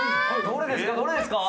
どれですか？